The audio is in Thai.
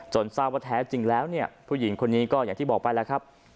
ทราบว่าแท้จริงแล้วเนี่ยผู้หญิงคนนี้ก็อย่างที่บอกไปแล้วครับ